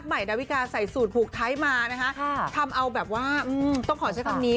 ใหม่ดาวิกาใส่สูตรผูกไทยมานะคะทำเอาแบบว่าต้องขอใช้คำนี้